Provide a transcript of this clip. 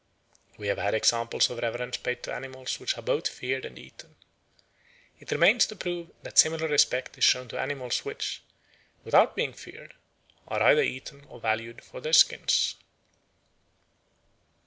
We have had examples of reverence paid to animals which are both feared and eaten. It remains to prove that similar respect is shown to animals which, without being feared, are either eaten or valued for their skins.